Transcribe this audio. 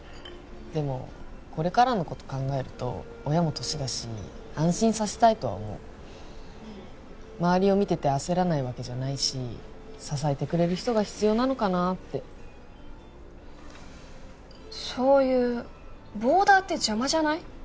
でもこれからのこと考えると親も年だし安心させたいとは思う周りを見てて焦らないわけじゃないし支えてくれる人が必要なのかなってそういうボーダーって邪魔じゃない？